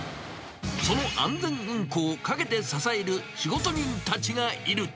その安全運行を陰で支える仕事人たちがいる。